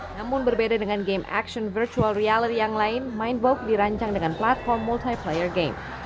namun berbeda dengan game action virtual reality yang lain mindbox dirancang dengan platform multiplayer game